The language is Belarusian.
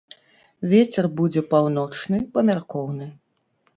Вецер будзе паўночны памяркоўны.